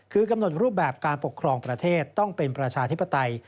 คือกำหนดรูปแบบการปกครองประเทศต้องเป็นประชาธิปไตย